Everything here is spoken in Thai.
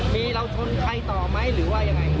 มีเราชนใครต่อไหมหรือว่ายังไง